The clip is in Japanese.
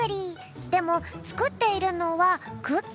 でもつくっているのはクッキー？